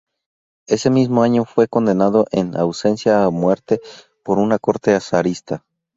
Ese mismo año fue condenado en ausencia a muerte por una corte zarista.